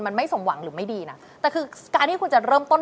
มันไม่สมหวังหรือไม่ดีนะแต่คือการที่คุณจะเริ่มต้น